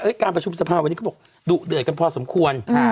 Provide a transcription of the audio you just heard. การประชุมสภาวันนี้เขาบอกดุเดือดกันพอสมควร